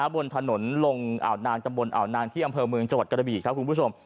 บนถนนลงอ่าวนางตำบลอ่าวนางที่อำเภอเมืองจังหวัดกระบีครับคุณผู้ชม